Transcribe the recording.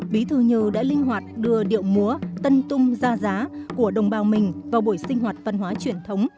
bí thư như đã linh hoạt đưa điệu múa tân tung gia giá của đồng bào mình vào buổi sáng